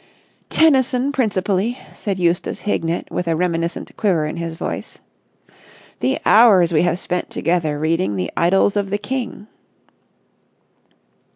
"Tennyson principally," said Eustace Hignett with a reminiscent quiver in his voice. "The hours we have spent together reading the Idylls of the King!"